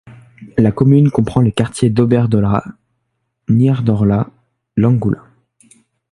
La commune comprend les quartiers d'Oberdorla, Niederdorla, Langula.